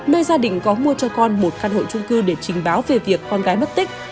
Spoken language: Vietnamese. nơi gia đình có mua cho con một căn hộ trung cư để trình báo về việc con gái mất tích